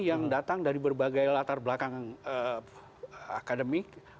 yang datang dari berbagai latar belakang akademik